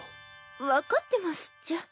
分かってますっちゃ。